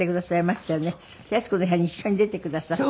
『徹子の部屋』に一緒に出てくださった。